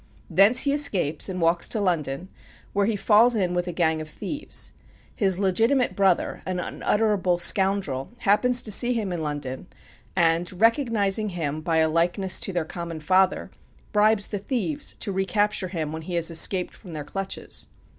Thence he escapes, and walks to London, where he falls in with a gang of thieves. His legitimate brother, an unutterable scoundrel, happens to see him in London, and recognizing him by a likeness to their common father, bribes the thieves to recapture him when he has escaped from their clutches.